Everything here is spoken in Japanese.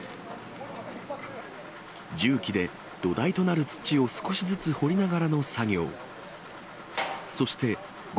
重機で土台となる土を少しずつ掘りながらの作業。